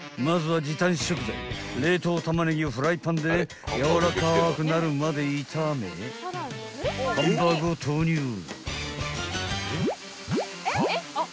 ［まずは時短食材冷凍たまねぎをフライパンでやわらかくなるまで炒めハンバーグを投入］